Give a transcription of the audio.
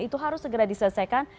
itu harus segera diselesaikan